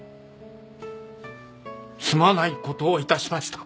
すまないことをいたしました。